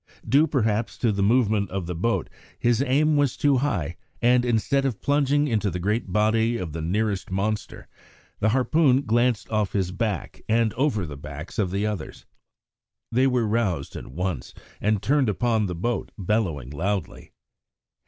Due, perhaps, to the movement of the boat, his aim was too high, and instead of plunging into the great body of the nearest monster, the harpoon glanced off his back and over the backs of the others. They were roused at once and turned upon the boat, bellowing loudly.